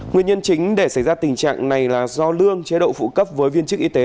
nguyên nhân chính để xảy ra tình trạng này là do lương chế độ phụ cấp với viên chức y tế